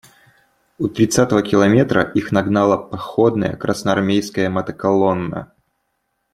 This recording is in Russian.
У тридцатого километра их нагнала походная красноармейская мотоколонна.